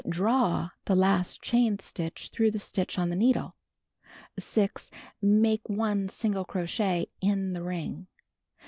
di:i\v the last chain stitch Ihroiigli the stitch on the needle. 0. Make I single crochet in the ring.